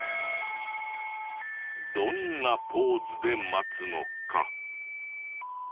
どんなポーズで待つのか？